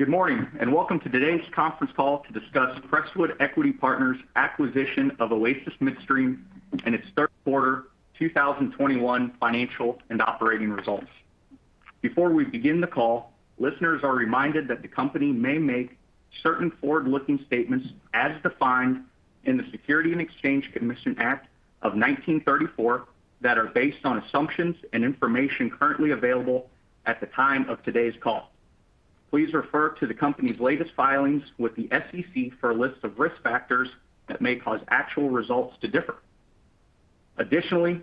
Good morning, and welcome to today's conference call to discuss Crestwood Equity Partners acquisition of Oasis Midstream and its third quarter 2021 financial and operating results. Before we begin the call, listeners are reminded that the company may make certain forward-looking statements as defined in the Securities and Exchange Commission Act of 1934 that are based on assumptions and information currently available at the time of today's call. Please refer to the company's latest filings with the SEC for a list of risk factors that may cause actual results to differ. Additionally,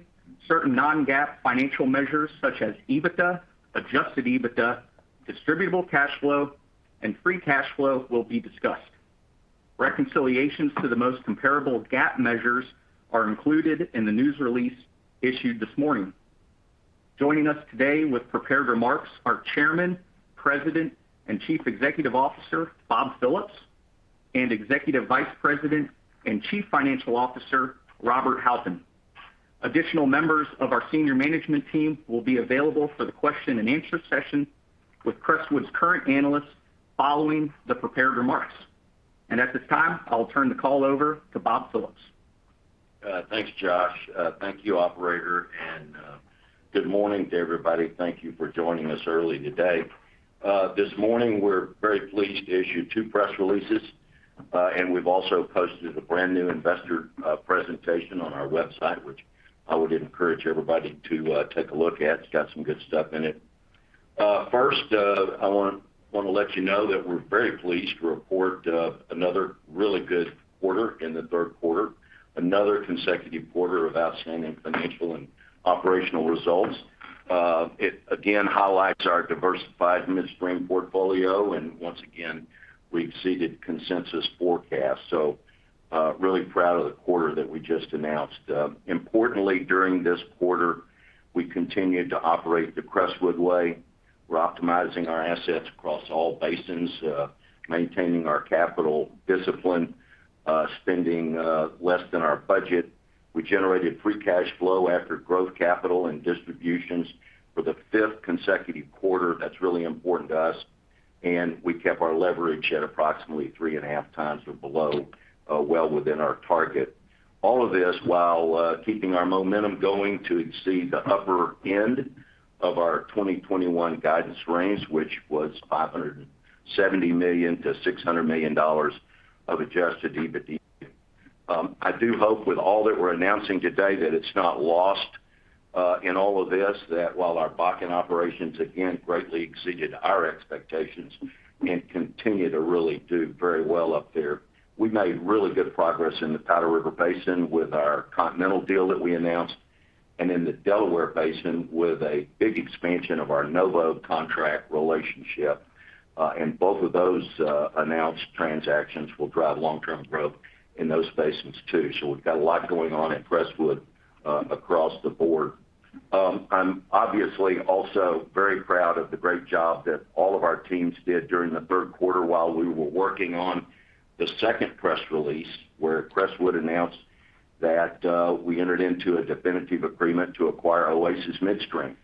certain non-GAAP financial measures such as EBITDA, adjusted EBITDA, distributable cash flow, and free cash flow will be discussed. Reconciliations to the most comparable GAAP measures are included in the news release issued this morning. Joining us today with prepared remarks are Chairman, President, and Chief Executive Officer, Bob Phillips, and Executive Vice President and Chief Financial Officer, Robert Halpin. Additional members of our senior management team will be available for the question and answer session with Crestwood's current analysts following the prepared remarks. At this time, I'll turn the call over to Bob Phillips. Thanks, Josh. Thank you, operator, and good morning to everybody. Thank you for joining us early today. This morning, we're very pleased to issue two press releases, and we've also posted a brand-new investor presentation on our website, which I would encourage everybody to take a look at. It's got some good stuff in it. First, I want to let you know that we're very pleased to report another really good quarter in the third quarter, another consecutive quarter of outstanding financial and operational results. It again highlights our diversified midstream portfolio. Once again, we exceeded consensus forecast. Really proud of the quarter that we just announced. Importantly, during this quarter, we continued to operate the Crestwood way. We're optimizing our assets across all basins, maintaining our capital discipline, spending less than our budget. We generated free cash flow after growth capital and distributions for the fifth consecutive quarter. That's really important to us. We kept our leverage at approximately 3.5 times or below, well within our target. All of this while keeping our momentum going to exceed the upper end of our 2021 guidance range, which was $570 million-$600 million of adjusted EBITDA. I do hope with all that we're announcing today that it's not lost, in all of this that while our Bakken operations again greatly exceeded our expectations and continue to really do very well up there, we made really good progress in the Powder River Basin with our Continental deal that we announced and in the Delaware Basin with a big expansion of our Novo contract relationship. Both of those announced transactions will drive long-term growth in those basins too. We've got a lot going on at Crestwood, across the board. I'm obviously also very proud of the great job that all of our teams did during the third quarter while we were working on the second press release, where Crestwood announced that we entered into a definitive agreement to acquire Oasis Midstream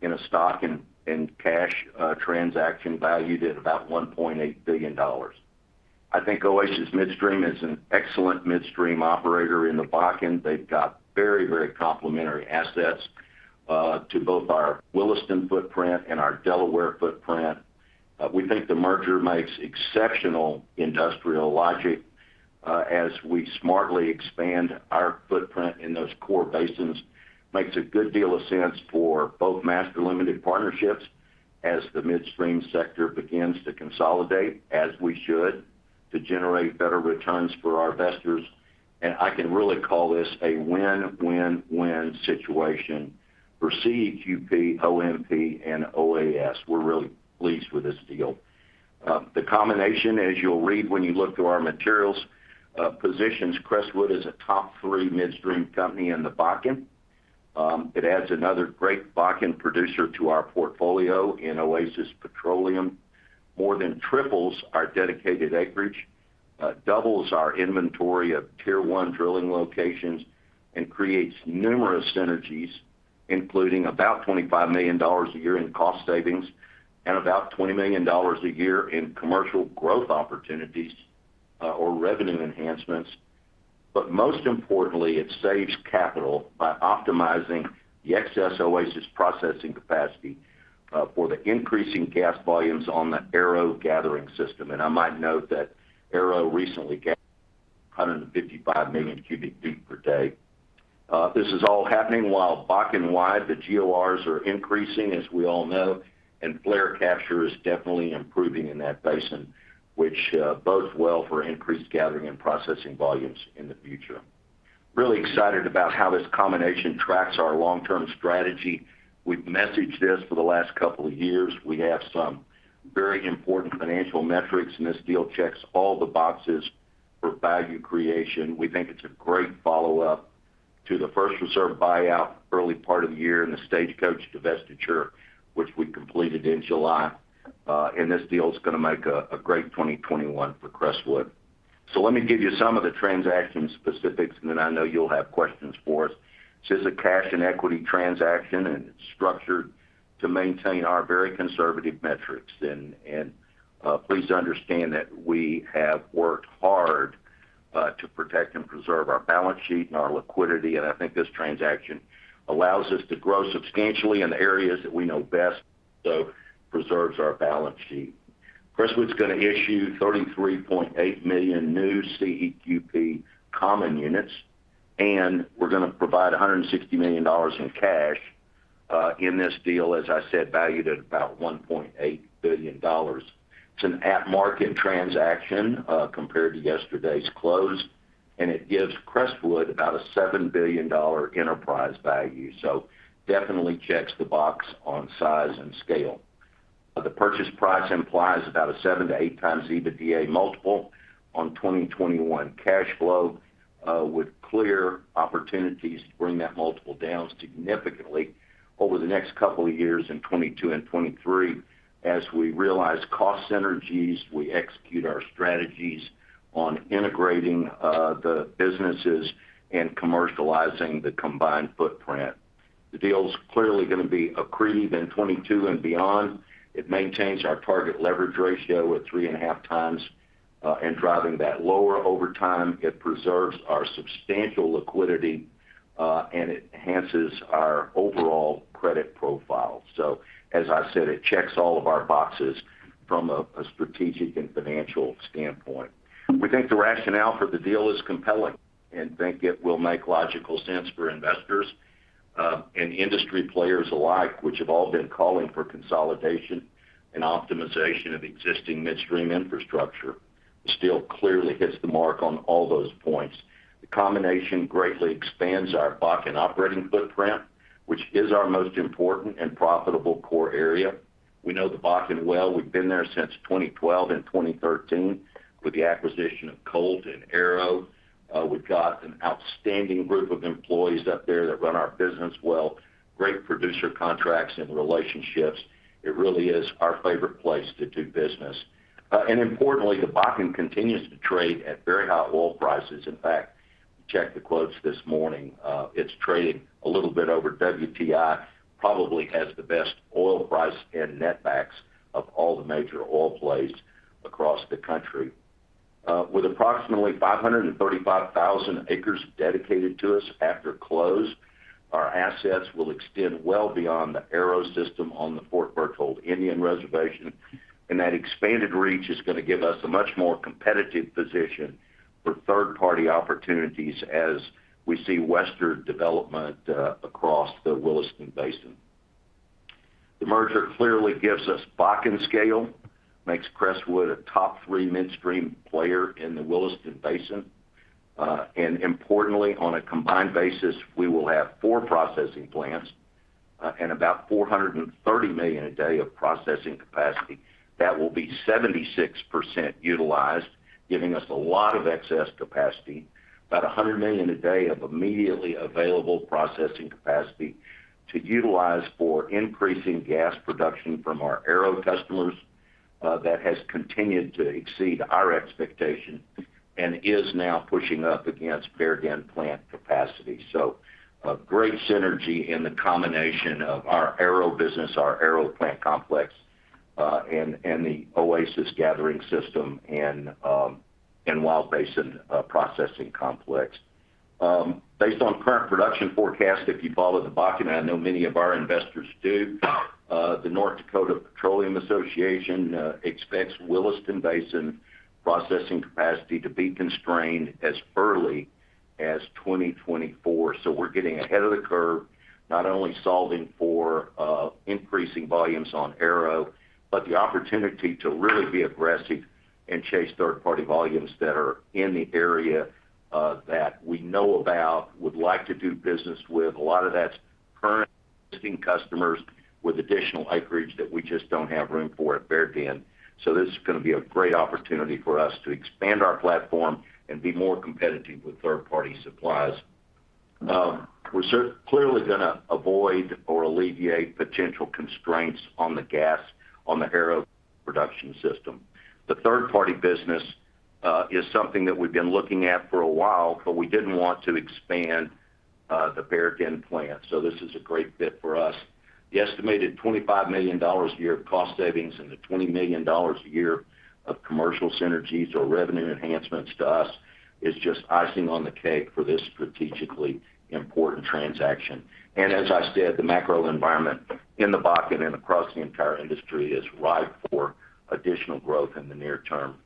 in a stock and cash transaction valued at about $1.8 billion. I think Oasis Midstream is an excellent midstream operator in the Bakken. They've got very, very complementary assets to both our Williston footprint and our Delaware footprint. We think the merger makes exceptional industrial logic as we smartly expand our footprint in those core basins. Makes a good deal of sense for both master limited partnerships as the midstream sector begins to consolidate, as we should, to generate better returns for our investors. I can really call this a win-win-win situation for CEQP, OMP, and OAS. We're really pleased with this deal. The combination, as you'll read when you look through our materials, positions Crestwood as a top three midstream company in the Bakken. It adds another great Bakken producer to our portfolio in Oasis Petroleum, more than triples our dedicated acreage, doubles our inventory of Tier one drilling locations, and creates numerous synergies, including about $25 million a year in cost savings and about $20 million a year in commercial growth opportunities, or revenue enhancements. Most importantly, it saves capital by optimizing the excess Oasis processing capacity, for the increasing gas volumes on the Arrow gathering system. I might note that Arrow recently 155 million cubic feet per day. This is all happening while Bakken-wide, the GORs are increasing, as we all know, and flare capture is definitely improving in that basin, which bodes well for increased gathering and processing volumes in the future. Really excited about how this combination tracks our long-term strategy. We've messaged this for the last couple of years. We have some very important financial metrics, and this deal checks all the boxes for value creation. We think it's a great follow-up to the First Reserve buyout early part of the year and the Stagecoach divestiture, which we completed in July. This deal is gonna make a great 2021 for Crestwood. Let me give you some of the transaction specifics, and then I know you'll have questions for us. This is a cash and equity transaction, and it's structured to maintain our very conservative metrics. Please understand that we have worked hard to protect and preserve our balance sheet and our liquidity. I think this transaction allows us to grow substantially in the areas that we know best, so preserves our balance sheet. Crestwood is going to issue 33.8 million new CEQP common units, and we're going to provide $160 million in cash in this deal, as I said, valued at about $1.8 billion. It's an at market transaction compared to yesterday's close, and it gives Crestwood about a $7 billion enterprise value. Definitely checks the box on size and scale. The purchase price implies about a 7x-8x EBITDA multiple on 2021 cash flow, with clear opportunities to bring that multiple down significantly over the next couple of years in 2022 and 2023 as we realize cost synergies, we execute our strategies on integrating the businesses and commercializing the combined footprint. The deal is clearly going to be accretive in 2022 and beyond. It maintains our target leverage ratio at 3.5x and driving that lower over time. It preserves our substantial liquidity and enhances our overall credit profile. As I said, it checks all of our boxes from a strategic and financial standpoint. We think the rationale for the deal is compelling and think it will make logical sense for investors, and industry players alike, which have all been calling for consolidation and optimization of existing midstream infrastructure. This deal clearly hits the mark on all those points. The combination greatly expands our Bakken operating footprint, which is our most important and profitable core area. We know the Bakken well. We've been there since 2012 and 2013 with the acquisition of COLT and Arrow. We've got an outstanding group of employees up there that run our business well, great producer contracts and relationships. It really is our favorite place to do business. Importantly, the Bakken continues to trade at very high oil prices. In fact, check the quotes this morning. It's trading a little bit over WTI, probably has the best oil price and netbacks of all the major oil plays across the country. With approximately 535,000 acres dedicated to us after close, our assets will extend well beyond the Arrow system on the Fort Berthold Reservation. That expanded reach is going to give us a much more competitive position for third-party opportunities as we see western development across the Williston Basin. The merger clearly gives us Bakken scale, makes Crestwood a top three midstream player in the Williston Basin. Importantly, on a combined basis, we will have four processing plants and about 430 million a day of processing capacity. That will be 76% utilized, giving us a lot of excess capacity, about 100 million a day of immediately available processing capacity to utilize for increasing gas production from our Arrow customers that has continued to exceed our expectation and is now pushing up against Bear Den plant capacity. A great synergy in the combination of our Arrow business, our Arrow plant complex, and the Oasis gathering system and Wild Basin processing complex. Based on current production forecast, if you follow the Bakken, I know many of our investors do, the North Dakota Petroleum Council expects Williston Basin processing capacity to be constrained as early as 2024. We're getting ahead of the curve, not only solving for increasing volumes on Arrow, but the opportunity to really be aggressive and chase third-party volumes that are in the area that we know about, would like to do business with. A lot of that's current existing customers with additional acreage that we just don't have room for at Bear Den. This is going to be a great opportunity for us to expand our platform and be more competitive with third-party supplies. We're clearly going to avoid or alleviate potential constraints on the gas on the Arrow production system. The third-party business is something that we've been looking at for a while, but we didn't want to expand the Bear Den plant. This is a great fit for us. The estimated $25 million a year of cost savings and the $20 million a year of commercial synergies or revenue enhancements to us is just icing on the cake for this strategically important transaction. As I said, the macro environment in the Bakken and across the entire industry is ripe for additional growth in the near term.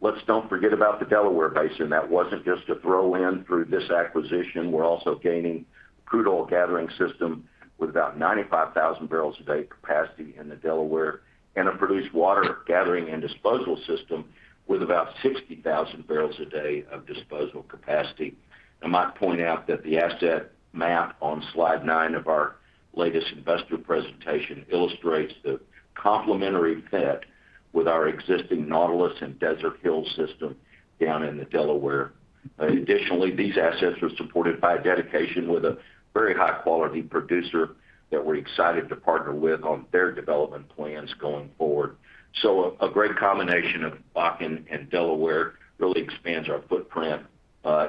Let's don't forget about the Delaware Basin. That wasn't just a throw-in through this acquisition. We're also gaining crude oil gathering system with about 95,000 barrels a day capacity in the Delaware and a produced water gathering and disposal system with about 60,000 barrels a day of disposal capacity. I might point out that the asset map on Slide 9 of our latest investor presentation illustrates the complementary fit with our existing Nautilus and Desert Hills system down in the Delaware. Additionally, these assets are supported by a dedication with a very high quality producer that we're excited to partner with on their development plans going forward. A great combination of Bakken and Delaware really expands our footprint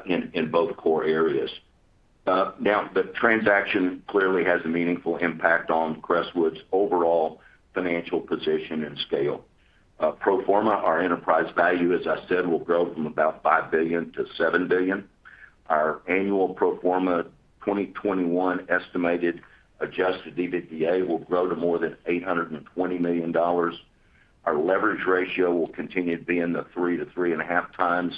in both core areas. Now the transaction clearly has a meaningful impact on Crestwood's overall financial position and scale. Pro forma, our enterprise value, as I said, will grow from about $5 billion-$7 billion. Our annual pro forma 2021 estimated adjusted EBITDA will grow to more than $820 million. Our leverage ratio will continue to be in the 3x-3.5x range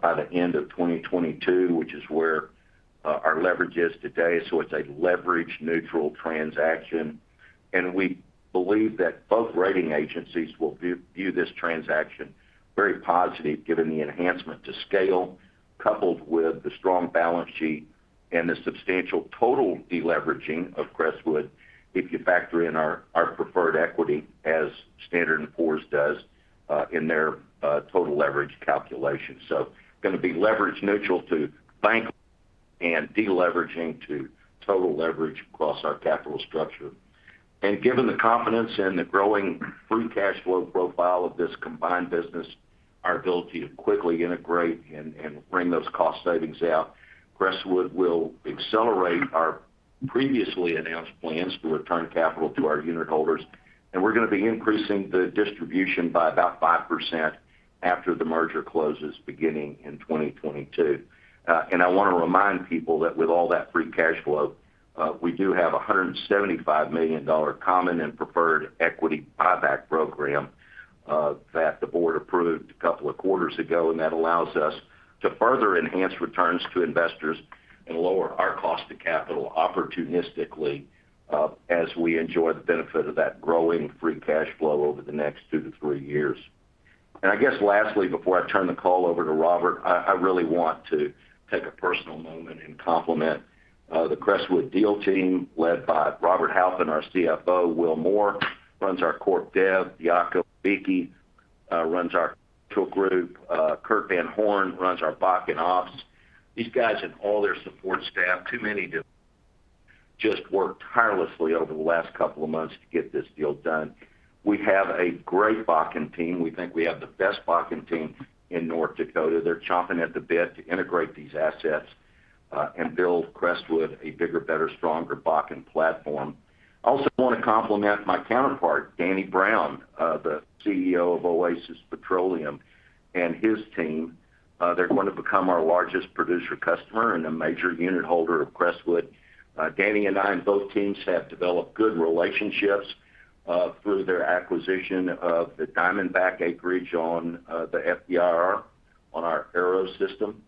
by the end of 2022, which is where our leverage is today. It's a leverage neutral transaction. We believe that both rating agencies will view this transaction very positively given the enhancement to scale, coupled with the strong balance sheet and the substantial total de-leveraging of Crestwood if you factor in our preferred equity as Standard & Poor's does in their total leverage calculation. Gonna be leverage neutral to bank and de-leveraging to total leverage across our capital structure. Given the confidence and the growing free cash flow profile of this combined business, our ability to quickly integrate and bring those cost savings out, Crestwood will accelerate our previously announced plans to return capital to our unit holders, and we're gonna be increasing the distribution by about 5% after the merger closes beginning in 2022. I wanna remind people that with all that free cash flow, we do have a $175 million common and preferred equity buyback program that the board approved a couple of quarters ago, and that allows us to further enhance returns to investors and lower our cost of capital opportunistically, as we enjoy the benefit of that growing free cash flow over the next two to three years. I guess lastly, before I turn the call over to Robert, I really want to take a personal moment and compliment the Crestwood deal team led by Robert Halpin, our CFO. Will Moore runs our corp dev. Diaco Aviki runs our group. Kurt Van Horn runs our Bakken ops. These guys and all their support staff, too many to just work tirelessly over the last couple of months to get this deal done. We have a great Bakken team. We think we have the best Bakken team in North Dakota. They're chomping at the bit to integrate these assets and build Crestwood a bigger, better, stronger Bakken platform. I also wanna compliment my counterpart, Danny Brown, the CEO of Oasis Petroleum and his team. They're going to become our largest producer customer and a major unit holder of Crestwood. Danny and I and both teams have developed good relationships through their acquisition of the Diamondback acreage on the FDR on our Arrow system.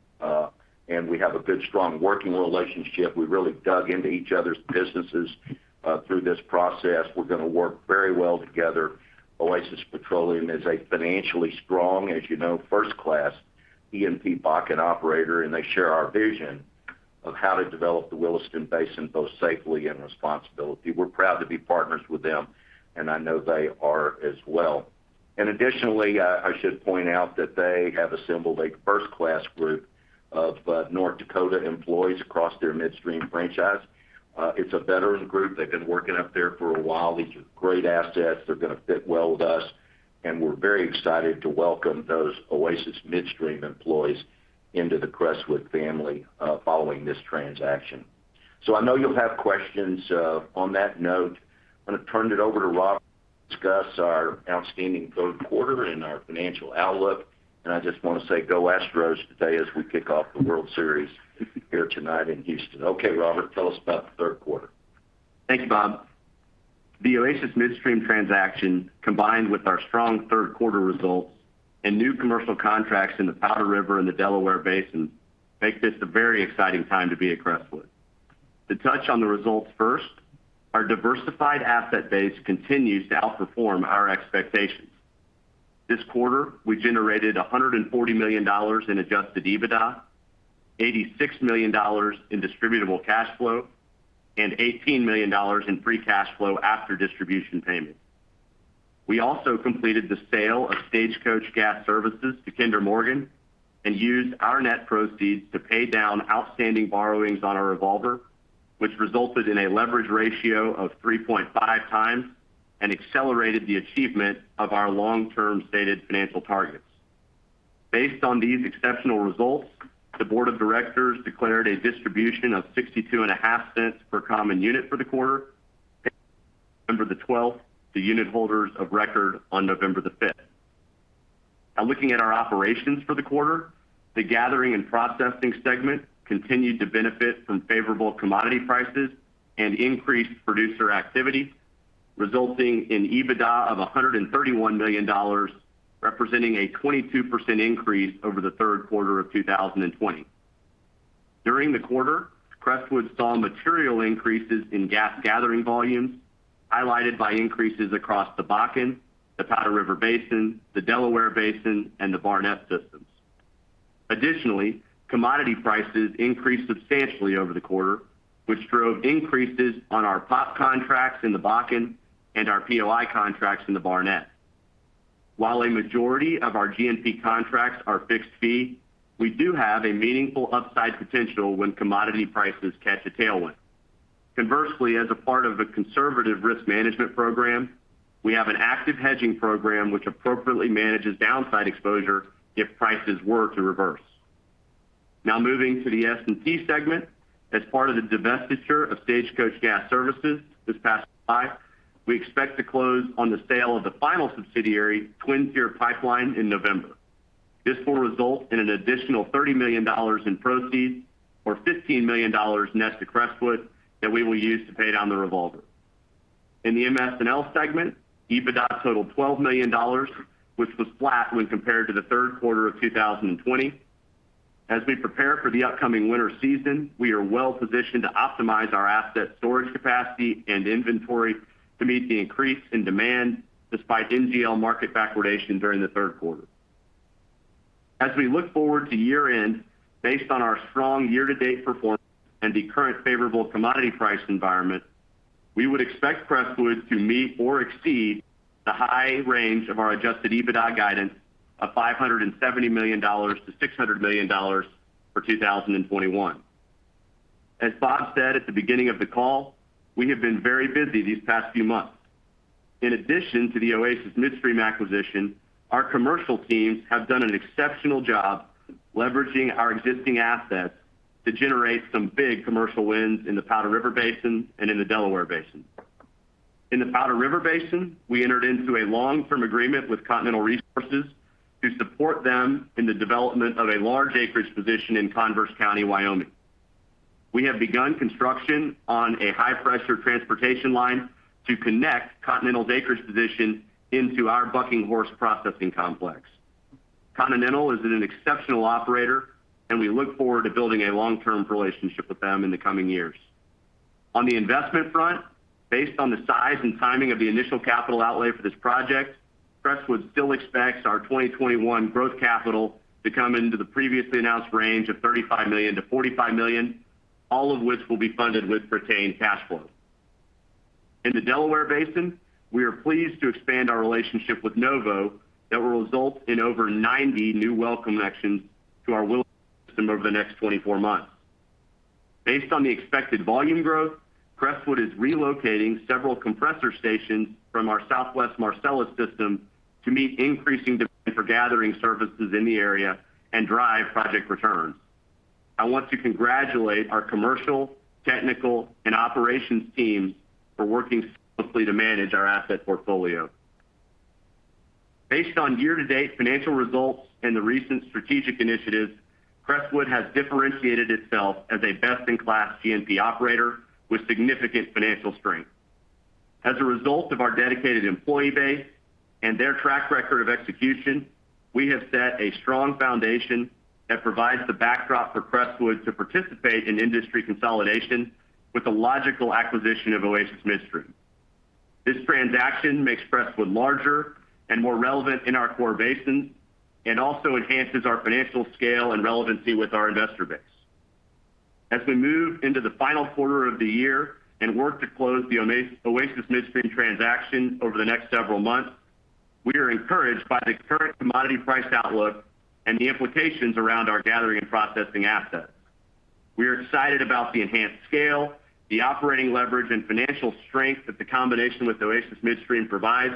We have a good, strong working relationship. We really dug into each other's businesses through this process. We're gonna work very well together. Oasis Petroleum is a financially strong, as you know, first-class E&P Bakken operator, and they share our vision of how to develop the Williston Basin, both safely and responsibly. We're proud to be partners with them, and I know they are as well. Additionally, I should point out that they have assembled a first-class group of North Dakota employees across their midstream franchise. It's a veteran group. They've been working up there for a while. These are great assets. They're gonna fit well with us, and we're very excited to welcome those Oasis Midstream employees into the Crestwood family following this transaction. So I know you'll have questions. On that note, I'm gonna turn it over to Rob to discuss our outstanding third quarter and our financial outlook. I just wanna say, go Astros today as we kick off the World Series here tonight in Houston. Okay, Robert, tell us about the third quarter. Thank you, Bob. The Oasis Midstream transaction, combined with our strong third quarter results and new commercial contracts in the Powder River and the Delaware Basin, make this a very exciting time to be at Crestwood. To touch on the results first, our diversified asset base continues to outperform our expectations. This quarter, we generated $140 million in adjusted EBITDA, $86 million in distributable cash flow, and $18 million in free cash flow after distribution payment. We also completed the sale of Stagecoach Gas Services to Kinder Morgan and used our net proceeds to pay down outstanding borrowings on our revolver, which resulted in a leverage ratio of 3.5x and accelerated the achievement of our long-term stated financial targets. Based on these exceptional results, the board of directors declared a distribution of $0.625 per common unit for the quarter payable November 12 to the unit holders of record on November 5. Now looking at our operations for the quarter, the Gathering and Processing segment continued to benefit from favorable commodity prices and increased producer activity, resulting in EBITDA of $131 million, representing a 22% increase over the third quarter of 2020. During the quarter, Crestwood saw material increases in gas gathering volumes, highlighted by increases across the Bakken, the Powder River Basin, the Delaware Basin, and the Barnett systems. Additionally, commodity prices increased substantially over the quarter, which drove increases on our POP contracts in the Bakken and our POI contracts in the Barnett. While a majority of our G&P contracts are fixed fee, we do have a meaningful upside potential when commodity prices catch a tailwind. Conversely, as a part of a conservative risk management program, we have an active hedging program which appropriately manages downside exposure if prices were to reverse. Now moving to the S&T segment. As part of the divestiture of Stagecoach Gas Services this past July, we expect to close on the sale of the final subsidiary, Twin Tier Pipeline, in November. This will result in an additional $30 million in proceeds, or $15 million net to Crestwood, that we will use to pay down the revolver. In the MS&L segment, EBITDA totaled $12 million, which was flat when compared to the third quarter of 2020. As we prepare for the upcoming winter season, we are well-positioned to optimize our asset storage capacity and inventory to meet the increase in demand despite NGL market backwardation during the third quarter. As we look forward to year-end, based on our strong year-to-date performance and the current favorable commodity price environment, we would expect Crestwood to meet or exceed the high range of our adjusted EBITDA guidance of $570 million-$600 million for 2021. As Bob said at the beginning of the call, we have been very busy these past few months. In addition to the Oasis Midstream acquisition, our commercial teams have done an exceptional job leveraging our existing assets to generate some big commercial wins in the Powder River Basin and in the Delaware Basin. In the Powder River Basin, we entered into a long-term agreement with Continental Resources to support them in the development of a large acreage position in Converse County, Wyoming. We have begun construction on a high-pressure transportation line to connect Continental's acreage position into our Bucking Horse processing complex. Continental is an exceptional operator and we look forward to building a long-term relationship with them in the coming years. On the investment front, based on the size and timing of the initial capital outlay for this project, Crestwood still expects our 2021 growth capital to come in the previously announced range of $35 million-$45 million, all of which will be funded with retained cash flow. In the Delaware Basin, we are pleased to expand our relationship with Novo that will result in over 90 new well connections to our Willow system over the next 24-months. Based on the expected volume growth, Crestwood is relocating several compressor stations from our Southwest Marcellus system to meet increasing demand for gathering services in the area and drive project returns. I want to congratulate our commercial, technical, and operations teams for working seamlessly to manage our asset portfolio. Based on year-to-date financial results and the recent strategic initiatives, Crestwood has differentiated itself as a best-in-class G&P operator with significant financial strength. As a result of our dedicated employee base and their track record of execution, we have set a strong foundation that provides the backdrop for Crestwood to participate in industry consolidation with the logical acquisition of Oasis Midstream. This transaction makes Crestwood larger and more relevant in our core basin and also enhances our financial scale and relevancy with our investor base. As we move into the final quarter of the year and work to close the Oasis Midstream transaction over the next several months, we are encouraged by the current commodity price outlook and the implications around our gathering and processing assets. We are excited about the enhanced scale, the operating leverage and financial strength that the combination with Oasis Midstream provides,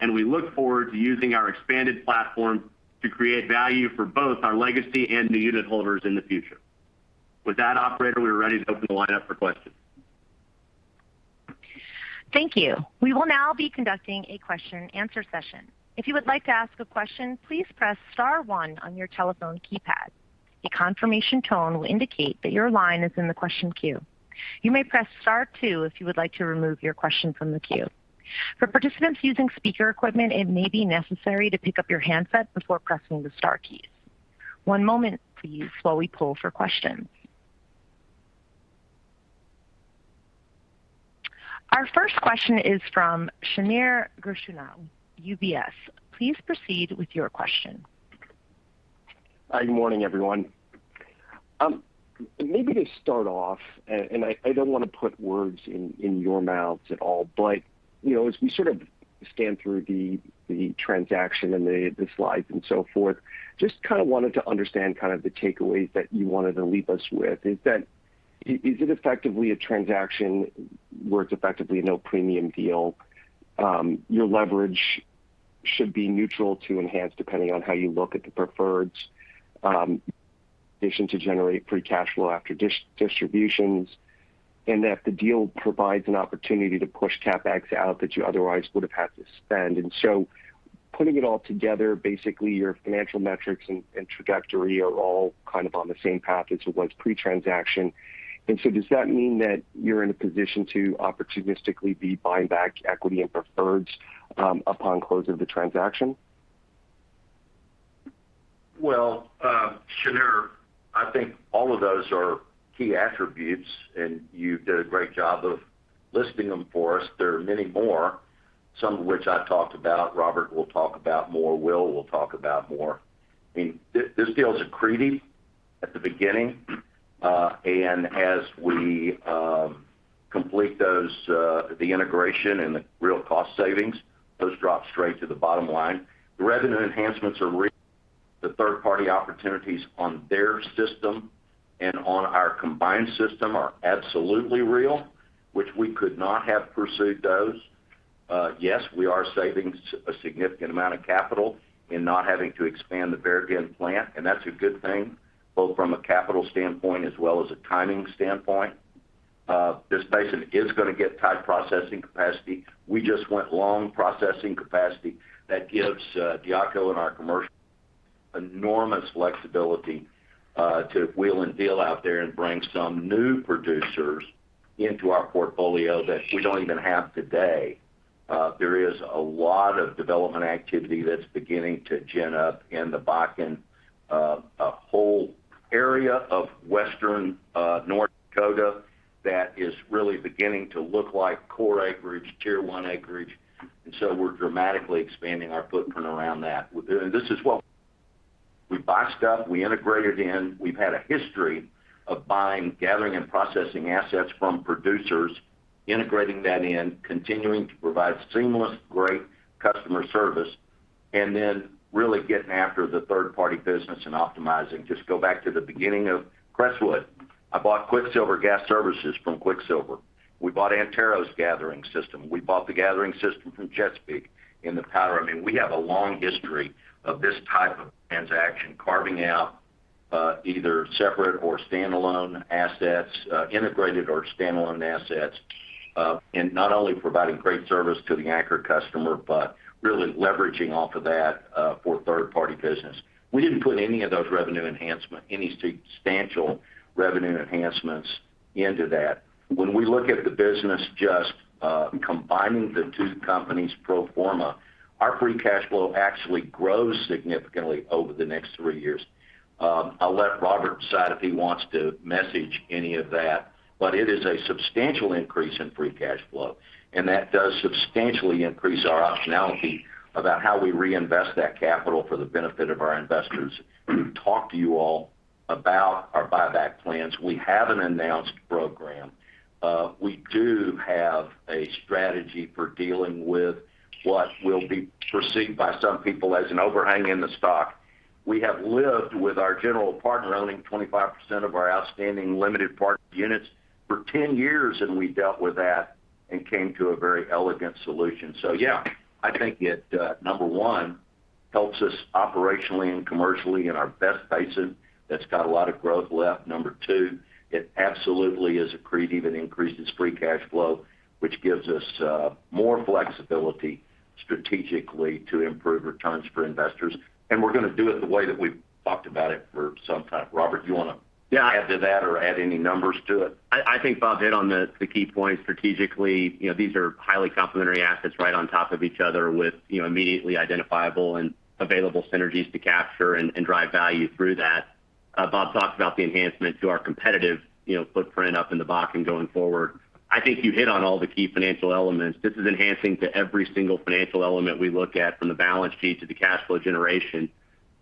and we look forward to using our expanded platform to create value for both our legacy and new unitholders in the future. With that, operator, we are ready to open the line up for questions. Thank you. We will now be conducting a question and answer session. If you would like to ask a question, please press star one on your telephone keypad. A confirmation tone will indicate that your line is in the question queue. You may press star two if you would like to remove your question from the queue. For participants using speaker equipment, it may be necessary to pick up your handset before pressing the star keys. One moment please while we poll for questions. Our first question is from Shneur Gershuni, UBS. Please proceed with your question. Hi, good morning, everyone. Maybe to start off, I don't wanna put words in your mouths at all, but you know, as we sort of scan through the transaction and the slides and so forth, just kind of wanted to understand kind of the takeaways that you wanted to leave us with. Is it effectively a transaction where it's effectively a no premium deal? Your leverage should be neutral to enhanced depending on how you look at the preferreds, addition to generate free cash flow after distributions. That the deal provides an opportunity to push CapEx out that you otherwise would have had to spend. Putting it all together, basically your financial metrics and trajectory are all kind of on the same path as it was pre-transaction. Does that mean that you're in a position to opportunistically be buying back equity and preferreds, upon close of the transaction? Well, Shneur, I think all of those are key attributes, and you did a great job of listing them for us. There are many more, some of which I talked about. Robert will talk about more. Will will talk about more. I mean, this deal is accretive At the beginning, as we complete those, the integration and the real cost savings, those drop straight to the bottom line. The revenue enhancements are real. The third-party opportunities on their system and on our combined system are absolutely real, which we could not have pursued those. Yes, we are saving a significant amount of capital in not having to expand the Bear Den plant, and that's a good thing, both from a capital standpoint as well as a timing standpoint. This basin is gonna get tight processing capacity. We just went long processing capacity that gives Diaco and our commercial enormous flexibility to wheel and deal out there and bring some new producers into our portfolio that we don't even have today. There is a lot of development activity that's beginning to gin up in the Bakken, a whole area of western North Dakota that is really beginning to look like core acreage, tier one acreage. We're dramatically expanding our footprint around that. We buy stuff, we integrate it in. We've had a history of buying, gathering, and processing assets from producers, integrating that in, continuing to provide seamless, great customer service, and then really getting after the third-party business and optimizing. Just go back to the beginning of Crestwood. I bought Quicksilver Gas Services from Quicksilver. We bought Antero's gathering system. We bought the gathering system from Chesapeake in the Powder. I mean, we have a long history of this type of transaction, carving out either separate or standalone assets, integrated or standalone assets, and not only providing great service to the anchor customer, but really leveraging off of that for third-party business. We didn't put any of those, any substantial revenue enhancements into that. When we look at the business just combining the two companies pro forma, our free cash flow actually grows significantly over the next three years. I'll let Robert decide if he wants to message any of that, but it is a substantial increase in free cash flow, and that does substantially increase our optionality about how we reinvest that capital for the benefit of our investors. Talk to you all about our buyback plans. We have an announced program. We do have a strategy for dealing with what will be perceived by some people as an overhang in the stock. We have lived with our general partner owning 25% of our outstanding limited partner units for 10-years, and we dealt with that and came to a very elegant solution. Yeah, I think it number one helps us operationally and commercially in our best basin that's got a lot of growth left. Number two, it absolutely is accretive. It increases free cash flow, which gives us more flexibility strategically to improve returns for investors. We're gonna do it the way that we've talked about it for some time. Robert, do you wanna. Yeah. Add to that or add any numbers to it? I think Bob hit on the key points strategically. You know, these are highly complementary assets right on top of each other with, you know, immediately identifiable and available synergies to capture and drive value through that. Bob talked about the enhancement to our competitive, you know, footprint up in the Bakken going forward. I think you hit on all the key financial elements. This is enhancing to every single financial element we look at from the balance sheet to the cash flow generation.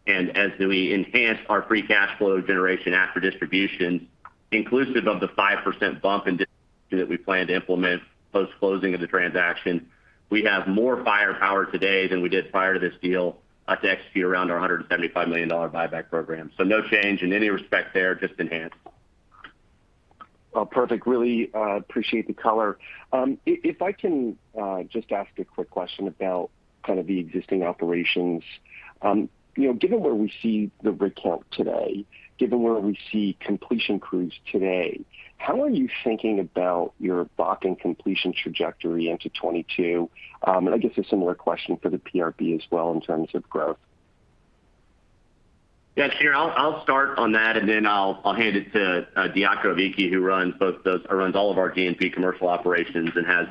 As we enhance our free cash flow generation after distribution, inclusive of the 5% bump in distribution that we plan to implement post-closing of the transaction, we have more firepower today than we did prior to this deal, to execute around our $175 million buyback program. No change in any respect there, just enhanced. Perfect. Really appreciate the color. If I can just ask a quick question about kind of the existing operations. You know, given where we see the rig count today, given where we see completion crews today, how are you thinking about your Bakken completion trajectory into 2022? I guess a similar question for the PRB as well in terms of growth. Yeah, sure. I'll start on that, and then I'll hand it to Diaco Aviki, who runs all of our G&P commercial operations and has,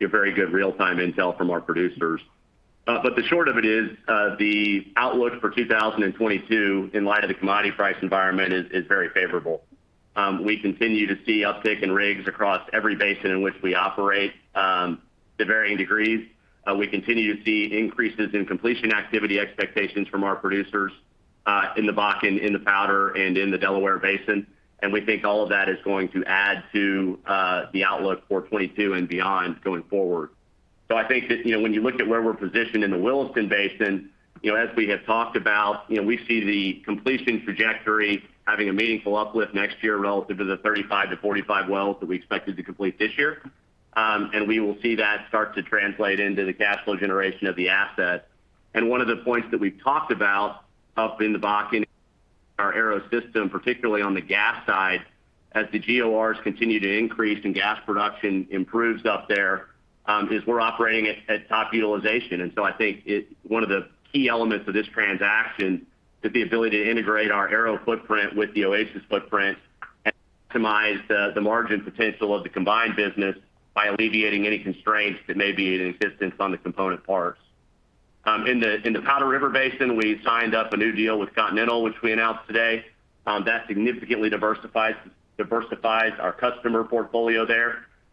you know, very good real-time intel from our producers. But the short of it is, the outlook for 2022 in light of the commodity price environment is very favorable. We continue to see uptick in rigs across every basin in which we operate, to varying degrees. We continue to see increases in completion activity expectations from our producers, in the Bakken, in the Powder, and in the Delaware Basin. We think all of that is going to add to the outlook for 2022 and beyond going forward. I think that, you know, when you look at where we're positioned in the Williston Basin, you know, as we have talked about, you know, we see the completion trajectory having a meaningful uplift next year relative to the 35-45 wells that we expected to complete this year. We will see that start to translate into the cash flow generation of the asset. One of the points that we've talked about up in the Bakken, our Arrow system, particularly on the gas side, as the GORs continue to increase and gas production improves up there, is we're operating at top utilization. I think one of the key elements of this transaction is the ability to integrate our Arrow footprint with the Oasis footprint and optimize the margin potential of the combined business by alleviating any constraints that may be in existence on the component parts. In the Powder River Basin, we signed up a new deal with Continental, which we announced today.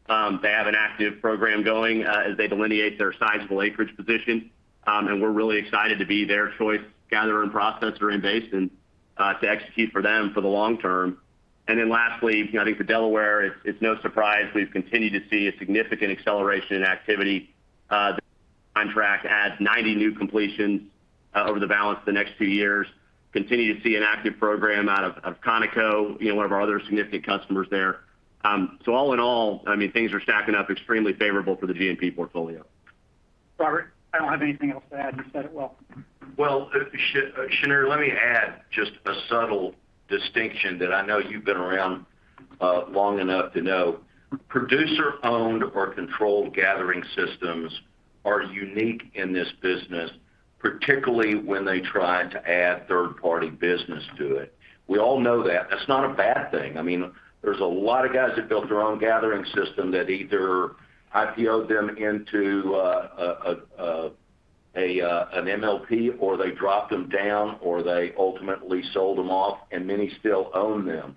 They have an active program going as they delineate their sizable acreage position. We're really excited to be their choice gatherer and processor in basin to execute for them for the long term. I think the Delaware, it's no surprise we've continued to see a significant acceleration in activity that's on track to add 90 new completions over the balance of the next few years. Continue to see an active program out of Conoco, you know, one of our other significant customers there. All in all, I mean, things are stacking up extremely favorable for the G&P portfolio. Robert, I don't have anything else to add. You said it well. Well, Shneur, let me add just a subtle distinction that I know you've been around long enough to know. Producer-owned or controlled gathering systems are unique in this business, particularly when they try to add third-party business to it. We all know that. That's not a bad thing. I mean, there's a lot of guys that built their own gathering system that either IPO'd them into an MLP, or they dropped them down, or they ultimately sold them off, and many still own them.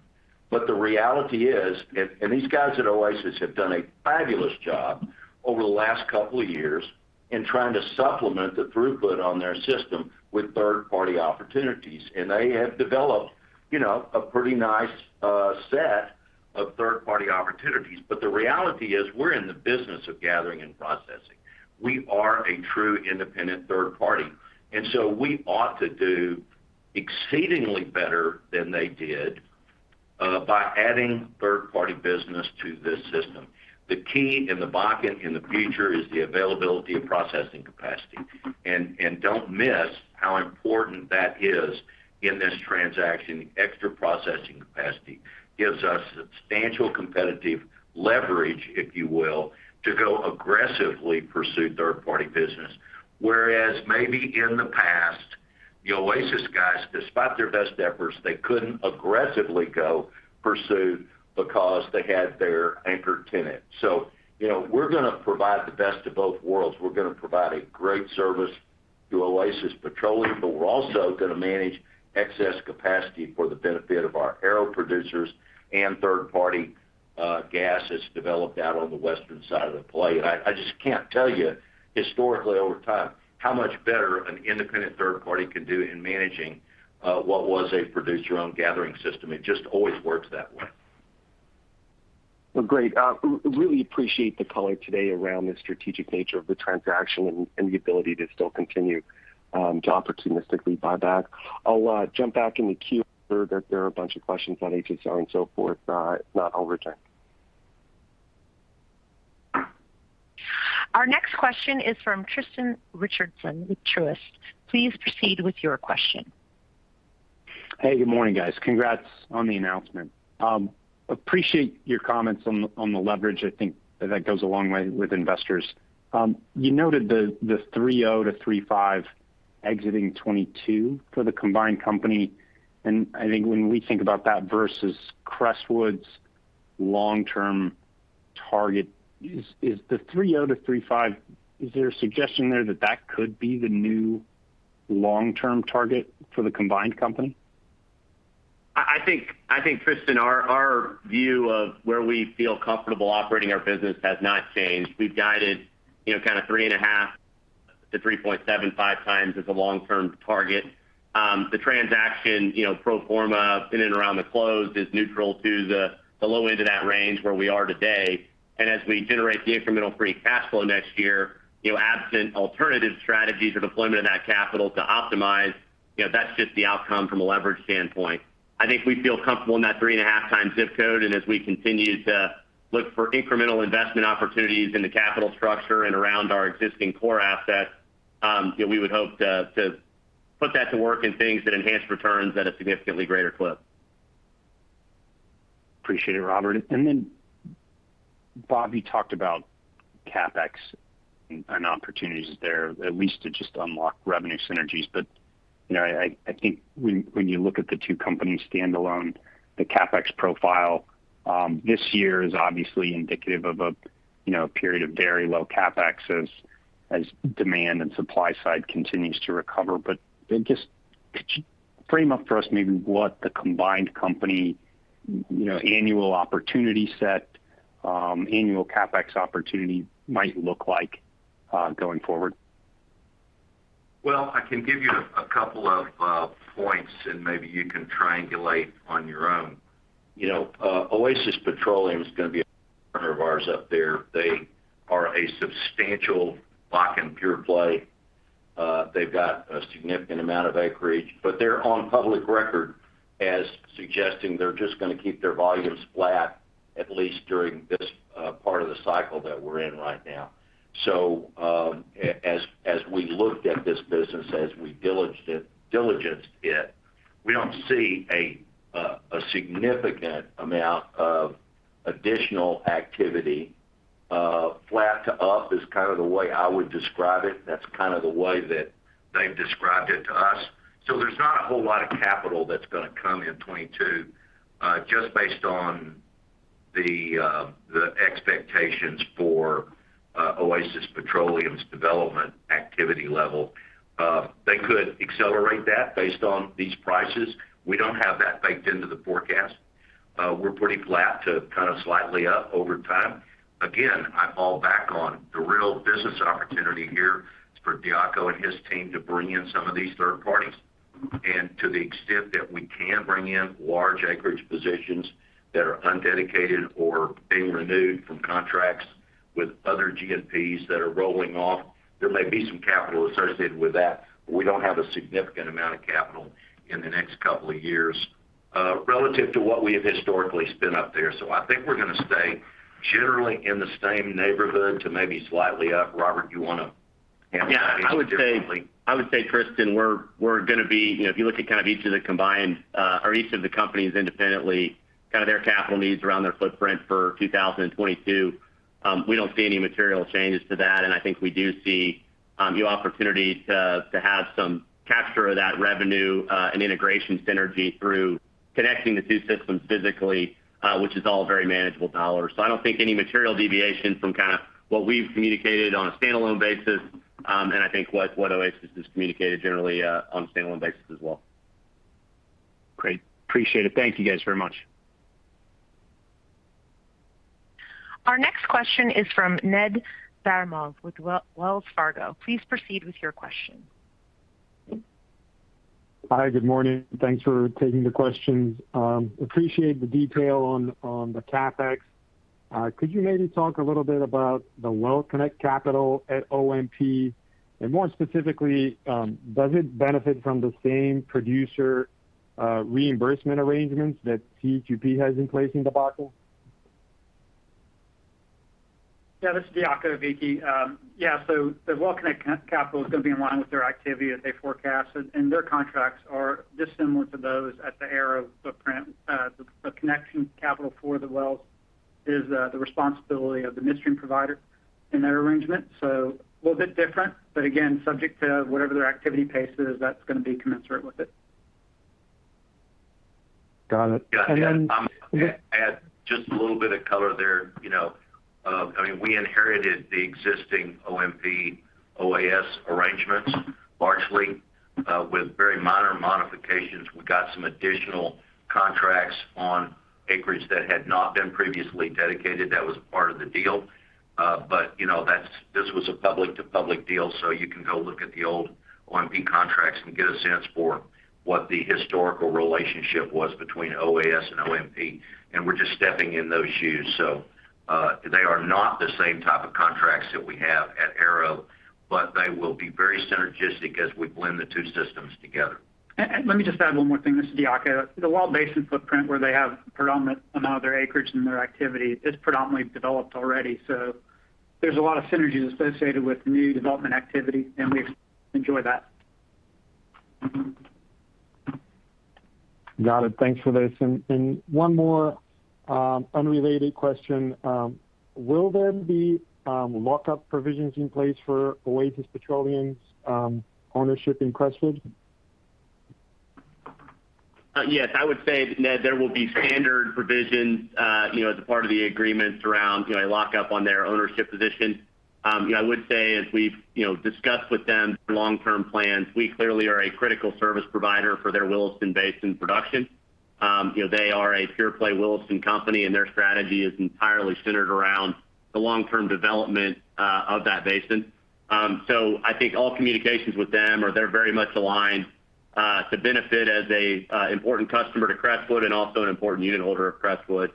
The reality is, and these guys at Oasis have done a fabulous job over the last couple of years in trying to supplement the throughput on their system with third-party opportunities. They have developed, you know, a pretty nice set of third-party opportunities. The reality is we're in the business of gathering and processing. We are a true independent third party. We ought to do exceedingly better than they did by adding third-party business to this system. The key in the Bakken in the future is the availability of processing capacity. Don't miss how important that is in this transaction. Extra processing capacity gives us substantial competitive leverage, if you will, to go aggressively pursue third-party business. Whereas maybe in the past, the Oasis guys, despite their best efforts, they couldn't aggressively go pursue because they had their anchor tenant. You know, we're gonna provide the best of both worlds. We're gonna provide a great service to Oasis Petroleum, but we're also gonna manage excess capacity for the benefit of our Arrow producers and third-party gas that's developed out on the western side of the play. I just can't tell you historically over time, how much better an independent third party can do in managing, what was a produce-your-own gathering system. It just always works that way. Well, great. Really appreciate the color today around the strategic nature of the transaction and the ability to still continue to opportunistically buy back. I'll jump back in the queue. I heard that there are a bunch of questions on HSR and so forth. I'll return. Our next question is from Tristan Richardson with Truist Securities. Please proceed with your question. Hey, good morning, guys. Congrats on the announcement. Appreciate your comments on the leverage. I think that goes a long way with investors. You noted the 3.0-3.5 times exiting 2022 for the combined company. I think when we think about that versus Crestwood's long-term target, is the 3.0-3.5 times, is there a suggestion there that that could be the new long-term target for the combined company? I think, Tristan, our view of where we feel comfortable operating our business has not changed. We've guided, you know, kind of 3.5-3.75 times as a long-term target. The transaction, you know, pro forma in and around the close is neutral to the low end of that range where we are today. As we generate the incremental free cash flow next year, you know, absent alternative strategies or deployment of that capital to optimize, you know, that's just the outcome from a leverage standpoint. I think we feel comfortable in that 3.5 times zip code. As we continue to look for incremental investment opportunities in the capital structure and around our existing core assets, you know, we would hope to put that to work in things that enhance returns at a significantly greater clip. Appreciate it, Robert. Bob, you talked about CapEx and opportunities there, at least to just unlock revenue synergies. You know, I think when you look at the two companies standalone, the CapEx profile this year is obviously indicative of a, you know, period of very low CapEx as demand and supply side continues to recover. Just could you frame up for us maybe what the combined company, you know, annual opportunity set, annual CapEx opportunity might look like going forward? Well, I can give you a couple of points, and maybe you can triangulate on your own. You know, Oasis Petroleum is going to be a partner of ours up there. They are a substantial Bakken pure play. They've got a significant amount of acreage, but they're on public record as suggesting they're just going to keep their volumes flat, at least during this part of the cycle that we're in right now. As we looked at this business, as we diligenced it, we don't see a significant amount of additional activity. Flat to up is kind of the way I would describe it. That's kind of the way that they've described it to us. There's not a whole lot of capital that's going to come in 2022, just based on the expectations for Oasis Petroleum's development activity level. They could accelerate that based on these prices. We don't have that baked into the forecast. We're pretty flat to kind of slightly up over time. I fall back on the real business opportunity here is for Diaco and his team to bring in some of these third parties. To the extent that we can bring in large acreage positions that are undedicated or being renewed from contracts with other G&Ps that are rolling off, there may be some capital associated with that. We don't have a significant amount of capital in the next couple of years, relative to what we have historically spent up there. I think we're gonna stay generally in the same neighborhood to maybe slightly up. Robert, do you wanna handle that any differently? Yeah. I would say, Tristan, we're gonna be. You know, if you look at kind of each of the combined, or each of the companies independently, kind of their capital needs around their footprint for 2022, we don't see any material changes to that. I think we do see new opportunity to have some capture of that revenue, and integration synergy through connecting the two systems physically, which is all very manageable US dollars. I don't think any material deviation from kinda what we've communicated on a standalone basis, and I think what Oasis has communicated generally, on a standalone basis as well. Great. Appreciate it. Thank you guys very much. Our next question is from Ned Baramov with Wells Fargo. Please proceed with your question. Hi, good morning. Thanks for taking the questions. Appreciate the detail on the CapEx. Could you maybe talk a little bit about the well connect capital at OMP? More specifically, does it benefit from the same producer reimbursement arrangements that TGP has in place in the Bakken? Yeah, this is Diaco Aviki. The well connect capital is gonna be in line with their activity as they forecast. Their contracts are dissimilar to those at the Arrow footprint. The connection capital for the wells is the responsibility of the midstream provider in that arrangement. A little bit different, but again, subject to whatever their activity pace is, that's gonna be commensurate with it. Got it. Yeah. I add just a little bit of color there. You know, I mean, we inherited the existing OMP OAS arrangements, largely, with very minor modifications. We got some additional contracts on acreage that had not been previously dedicated. That was part of the deal. But you know, this was a public to public deal, so you can go look at the old OMP contracts and get a sense for what the historical relationship was between OAS and OMP. We're just stepping in those shoes. They are not the same type of contracts that we have at Arrow, but they will be very synergistic as we blend the two systems together. Let me just add one more thing. This is Diaco. The Wild Basin footprint where they have predominant amount of their acreage and their activity is predominantly developed already. There's a lot of synergies associated with new development activity, and we enjoy that. Got it. Thanks for this. One more unrelated question. Will there be lockup provisions in place for Oasis Petroleum's ownership in Crestwood? Yes, I would say, Ned, there will be standard provisions, you know, as a part of the agreements around, you know, a lockup on their ownership position. You know, I would say, as we've, you know, discussed with them long-term plans, we clearly are a critical service provider for their Williston Basin production. You know, they are a pure play Williston company, and their strategy is entirely centered around the long-term development of that basin. So I think all communications with them are that they're very much aligned to benefit as an important customer to Crestwood and also an important unitholder of Crestwood.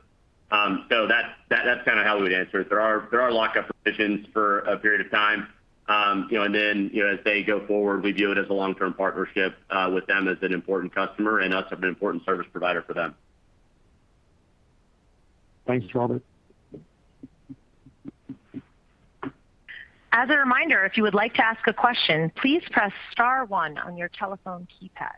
So that's kind of how we would answer it. There are lockup provisions for a period of time. You know, as they go forward, we view it as a long-term partnership with them as an important customer and us an important service provider for them. Thanks, Robert. As a reminder, if you would like to ask a question, please press star one on your telephone keypad.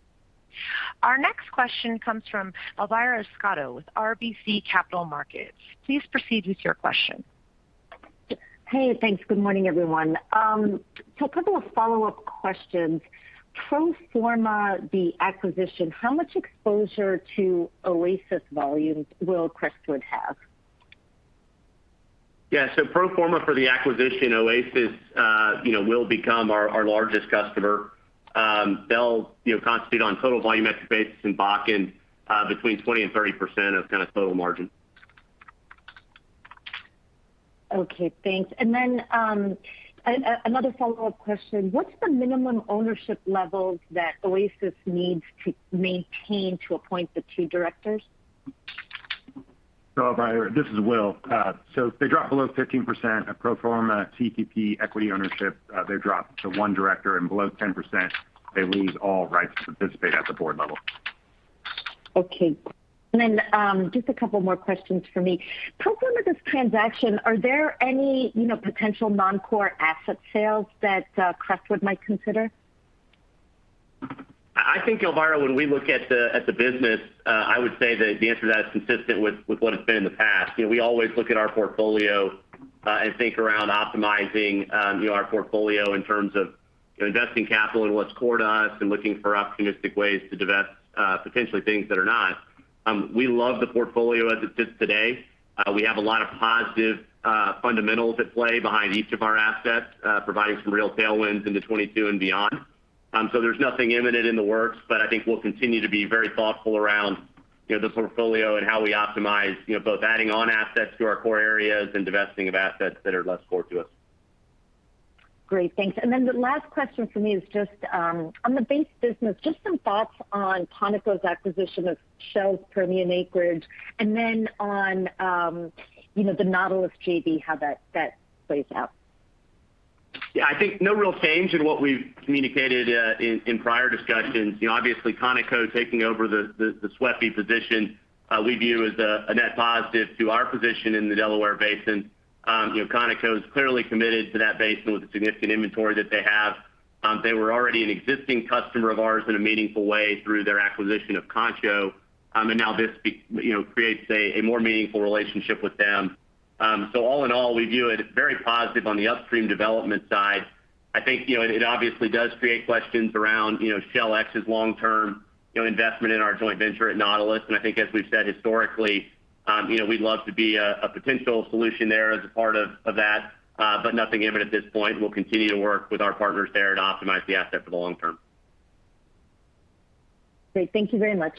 Our next question comes from Elvira Scotto with RBC Capital Markets. Please proceed with your question. Hey, thanks. Good morning, everyone. A couple of follow-up questions. Pro forma the acquisition, how much exposure to Oasis volumes will Crestwood have? Pro forma for the acquisition, Oasis, you know, will become our largest customer. They'll, you know, constitute on total volume at the basin in Bakken, between 20% and 30% of kind of total margin. Okay, thanks. Another follow-up question. What's the minimum ownership levels that Oasis needs to maintain to appoint the two directors? Elvira, this is Will. If they drop below 15% of pro forma TGP equity ownership, they drop to one director, and below 10%, they lose all rights to participate at the board level. Okay. Just a couple more questions for me. Pro forma this transaction, are there any, you know, potential non-core asset sales that Crestwood might consider? I think, Elvira, when we look at the business, I would say that the answer to that is consistent with what it's been in the past. You know, we always look at our portfolio and think around optimizing, you know, our portfolio in terms of, you know, investing capital in what's core to us and looking for opportunistic ways to divest, potentially things that are not. We love the portfolio as it sits today. We have a lot of positive fundamentals at play behind each of our assets, providing some real tailwinds into 2022 and beyond. There's nothing imminent in the works, but I think we'll continue to be very thoughtful around, you know, this portfolio and how we optimize, you know, both adding on assets to our core areas and divesting of assets that are less core to us. Great. Thanks. The last question for me is just on the base business, just some thoughts on ConocoPhillips's acquisition of Shell's Permian acreage, and then on, you know, the Nautilus JV, how that plays out. Yeah. I think no real change in what we've communicated in prior discussions. You know, obviously, Conoco taking over the SWEPI position, we view as a net positive to our position in the Delaware Basin. You know, Conoco is clearly committed to that basin with the significant inventory that they have. They were already an existing customer of ours in a meaningful way through their acquisition of Concho. And now this you know, creates a more meaningful relationship with them. So all in all, we view it very positive on the upstream development side. I think, you know, it obviously does create questions around, you know, Shell's long-term, you know, investment in our joint venture at Nautilus. I think as we've said historically, you know, we'd love to be a potential solution there as a part of that, but nothing imminent at this point. We'll continue to work with our partners there to optimize the asset for the long term. Great. Thank you very much.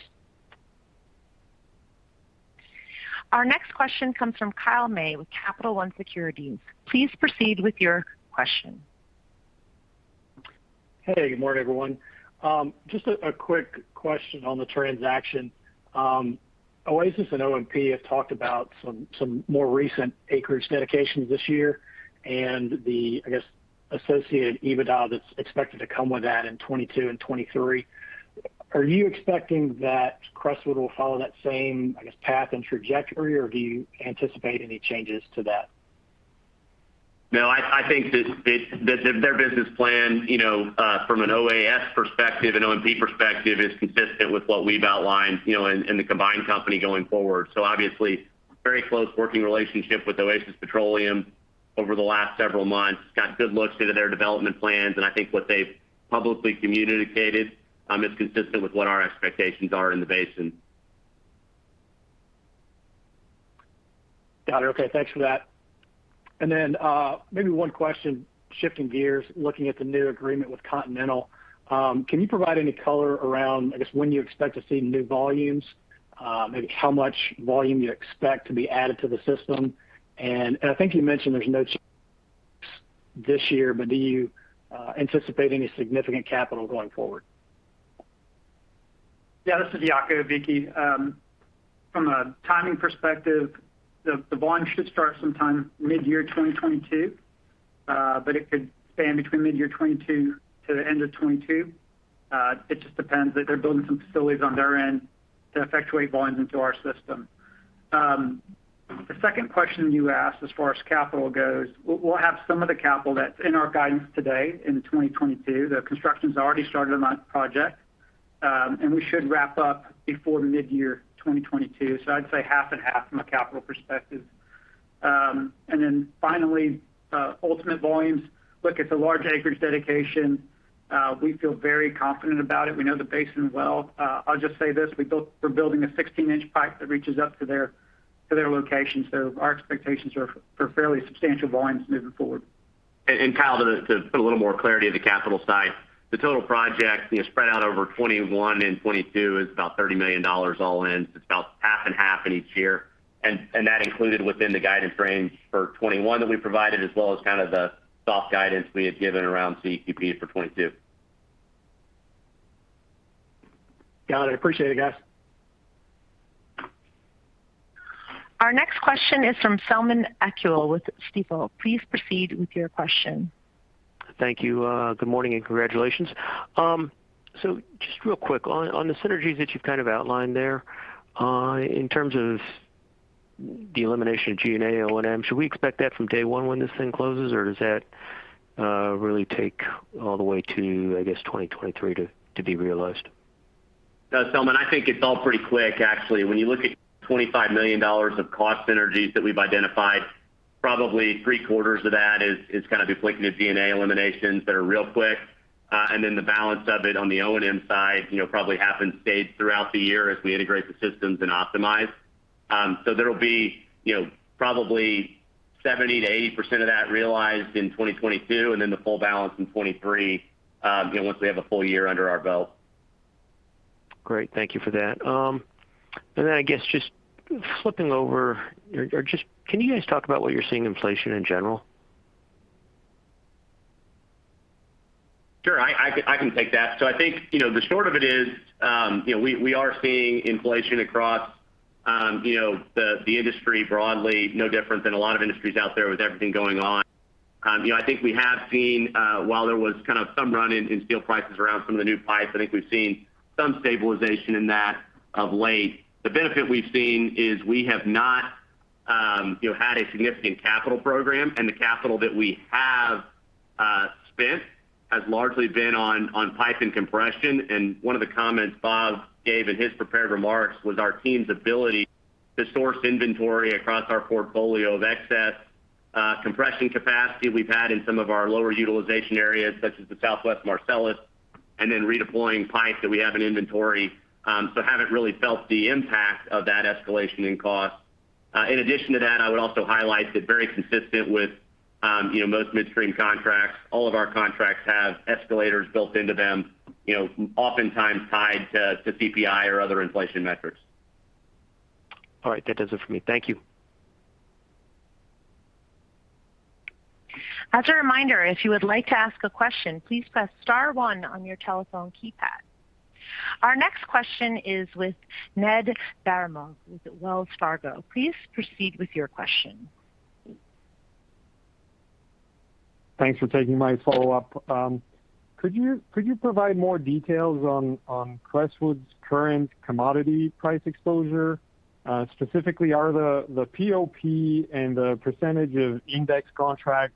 Our next question comes from Kyle May with Capital One Securities. Please proceed with your question. Hey, good morning, everyone. Just a quick question on the transaction. Oasis and OMP have talked about some more recent acreage dedications this year and the, I guess, associated EBITDA that's expected to come with that in 2022 and 2023. Are you expecting that Crestwood will follow that same, I guess, path and trajectory, or do you anticipate any changes to that? No, I think their business plan, you know, from an OAS perspective, an OMP perspective is consistent with what we've outlined, you know, in the combined company going forward. Obviously, very close working relationship with Oasis Petroleum over the last several months. Got good looks into their development plans, and I think what they've publicly communicated is consistent with what our expectations are in the basin. Got it. Okay, thanks for that. Maybe one question, shifting gears, looking at the new agreement with Continental. Can you provide any color around, I guess, when you expect to see new volumes? Maybe how much volume you expect to be added to the system? I think you mentioned there's no change this year, but do you anticipate any significant capital going forward? Yeah, this is Diaco Aviki. From a timing perspective, the volume should start sometime mid-year 2022, but it could span between mid-year 2022 to the end of 2022. It just depends. They're building some facilities on their end to effectuate volumes into our system. The second question you asked as far as capital goes, we'll have some of the capital that's in our guidance today in the 2022. The construction's already started on that project, and we should wrap up before the mid-year 2022. So I'd say half and half from a capital perspective. And then finally, ultimate volumes. Look, it's a large acreage dedication. We feel very confident about it. We know the basin well. I'll just say this, we're building a 16 inch pipe that reaches up to their location, so our expectations are for fairly substantial volumes moving forward. Kyle, to put a little more clarity on the capital side, the total project, you know, spread out over 2021 and 2022 is about $30 million all in. It's about half and half in each year. That included within the guidance range for 2021 that we provided, as well as kind of the soft guidance we had given around CEP for 2022. Got it. Appreciate it, guys. Our next question is from Selman Akyol with Stifel. Please proceed with your question. Thank you. Good morning and congratulations. Just real quick, on the synergies that you've kind of outlined there, in terms of the elimination of G&A, O&M, should we expect that from day one when this thing closes, or does that really take all the way to, I guess, 2023 to be realized? No, Selman, I think it's all pretty quick actually. When you look at $25 million of cost synergies that we've identified, probably three-quarters of that is gonna be related to G&A eliminations that are real quick. The balance of it on the O&M side, you know, probably happens staged throughout the year as we integrate the systems and optimize. There will be, you know, probably 70%-80% of that realized in 2022 and then the full balance in 2023, you know, once we have a full year under our belt. Great. Thank you for that. Can you guys talk about what you're seeing in inflation in general? Sure. I can take that. I think, you know, the short of it is, you know, we are seeing inflation across the industry broadly, no different than a lot of industries out there with everything going on. You know, I think we have seen while there was kind of some run in steel prices around some of the new pipes, I think we've seen some stabilization in that of late. The benefit we've seen is we have not had a significant capital program, and the capital that we have spent has largely been on pipe and compression. One of the comments Bob gave in his prepared remarks was our team's ability to source inventory across our portfolio of excess compression capacity we've had in some of our lower utilization areas such as the Southwest Marcellus, and then redeploying pipes that we have in inventory. We haven't really felt the impact of that escalation in cost. In addition to that, I would also highlight that very consistent with, you know, most midstream contracts, all of our contracts have escalators built into them, you know, oftentimes tied to CPI or other inflation metrics. All right. That does it for me. Thank you. As a reminder, if you would like to ask a question, please press star one on your telephone keypad. Our next question is with Ned Baramov of Wells Fargo. Please proceed with your question. Thanks for taking my follow-up. Could you provide more details on Crestwood's current commodity price exposure? Specifically, are the POP and the percentage of index contracts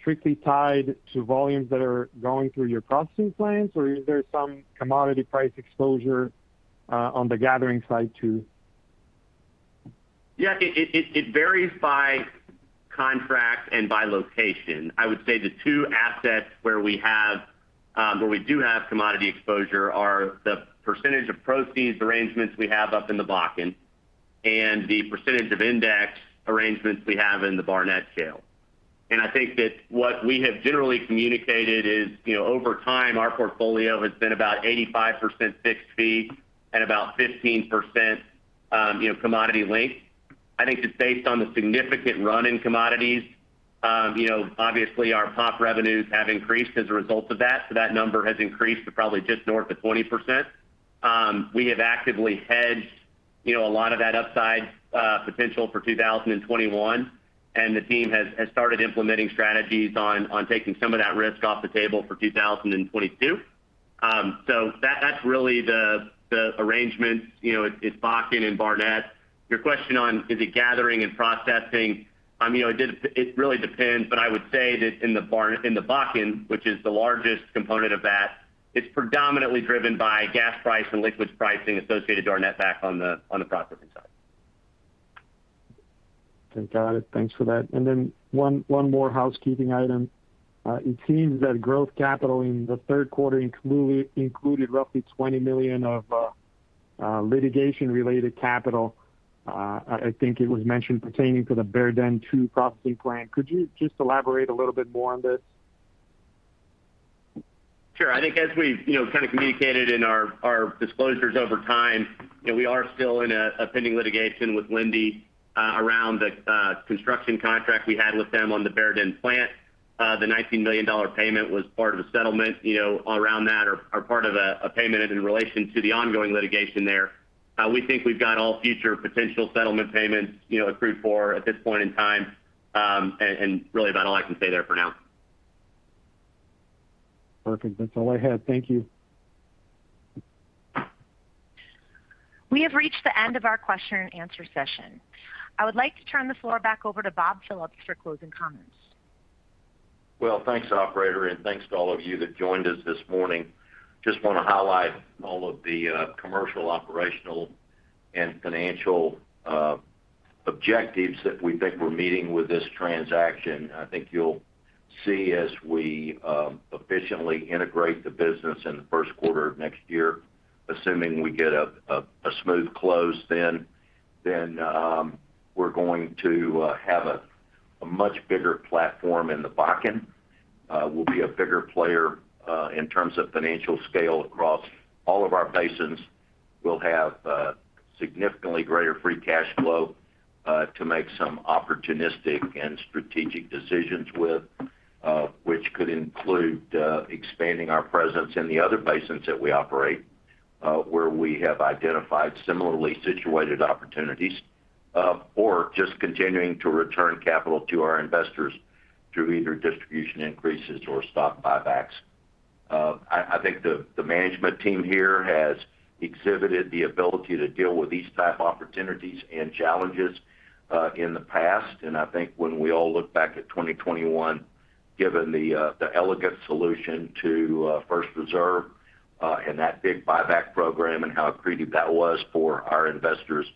strictly tied to volumes that are going through your processing plants? Or is there some commodity price exposure on the gathering side too? Yeah. It varies by contract and by location. I would say the two assets where we do have commodity exposure are the percentage of proceeds arrangements we have up in the Bakken and the percentage of index arrangements we have in the Barnett Shale. I think that what we have generally communicated is, you know, over time, our portfolio has been about 85% fixed fee and about 15%, you know, commodity linked. I think that based on the significant run in commodities, you know, obviously our POP revenues have increased as a result of that. That number has increased to probably just north of 20%. We have actively hedged, you know, a lot of that upside potential for 2021, and the team has started implementing strategies on taking some of that risk off the table for 2022. That's really the arrangements, you know, it's Bakken and Barnett. Your question on is it gathering and processing, I mean, it really depends, but I would say that in the Bakken, which is the largest component of that, it's predominantly driven by gas price and liquids pricing associated to our netback on the processing side. Okay. Got it. Thanks for that. Then one more housekeeping item. It seems that growth capital in the third quarter included roughly $20 million of litigation-related capital. I think it was mentioned pertaining to the Bear Den two processing plant. Could you just elaborate a little bit more on this? Sure. I think as we've, you know, kind of communicated in our disclosures over time, you know, we are still in a pending litigation with Linde around the construction contract we had with them on the Bear Den plant. The $19 million payment was part of a settlement, you know, around that or part of a payment in relation to the ongoing litigation there. We think we've got all future potential settlement payments, you know, accrued for at this point in time. Really about all I can say there for now. Perfect. That's all I had. Thank you. We have reached the end of our question and answer session. I would like to turn the floor back over to Bob Phillips for closing comments. Well, thanks, operator, and thanks to all of you that joined us this morning. Just wanna highlight all of the commercial, operational, and financial objectives that we think we're meeting with this transaction. I think you'll see as we efficiently integrate the business in the first quarter of next year, assuming we get a smooth close then, we're going to have a much bigger platform in the Bakken. We'll be a bigger player in terms of financial scale across all of our basins. We'll have significantly greater free cash flow to make some opportunistic and strategic decisions with, which could include expanding our presence in the other basins that we operate, where we have identified similarly situated opportunities, or just continuing to return capital to our investors through either distribution increases or stock buybacks. I think the management team here has exhibited the ability to deal with these type opportunities and challenges in the past. I think when we all look back at 2021, given the elegant solution to First Reserve and that big buyback program and how accretive that was for our investors.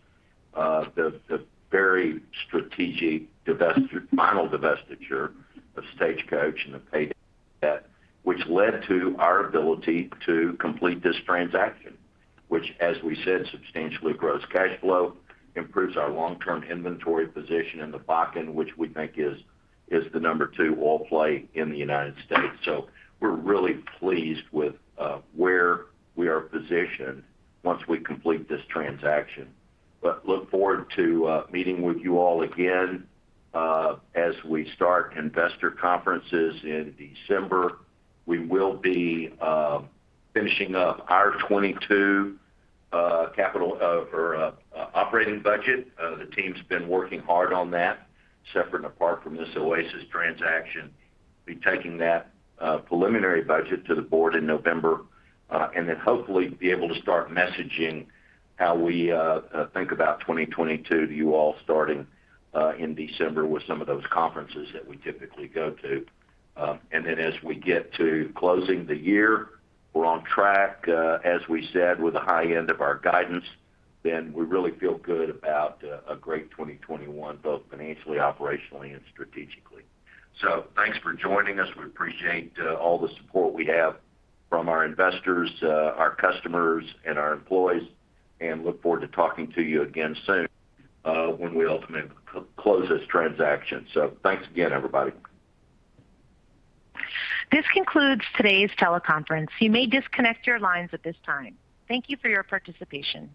The very strategic final divestiture of Stagecoach and the paid debt, which led to our ability to complete this transaction, which as we said, substantially grows cash flow, improves our long-term inventory position in the Bakken, which we think is the number two oil play in the United States. We're really pleased with where we are positioned once we complete this transaction. Look forward to meeting with you all again as we start investor conferences in December. We will be finishing up our 2022 operating budget. The team's been working hard on that, separate and apart from this Oasis transaction. be taking that preliminary budget to the board in November and then hopefully be able to start messaging how we think about 2022 to you all starting in December with some of those conferences that we typically go to. As we get to closing the year, we're on track as we said with the high end of our guidance. We really feel good about a great 2021, both financially, operationally, and strategically. Thanks for joining us. We appreciate all the support we have from our investors, our customers, and our employees, and look forward to talking to you again soon when we ultimately close this transaction. Thanks again, everybody. This concludes today's teleconference. You may disconnect your lines at this time. Thank you for your participation.